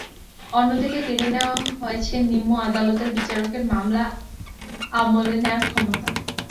অন্যদিকে কেড়ে নেওয়া হয়েছে নিম্ন আদালতের বিচারকের মামলা আমলে নেওয়ার ক্ষমতা।